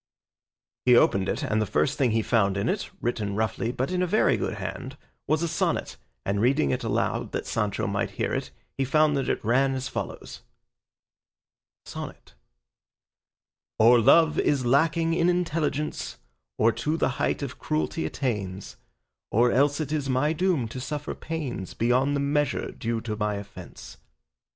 He opened it, and the first thing he found in it, written roughly but in a very good hand, was a sonnet, and reading it aloud that Sancho might hear it, he found that it ran as follows: SONNET Or Love is lacking in intelligence, Or to the height of cruelty attains, Or else it is my doom to suffer pains Beyond the measure due to my offence.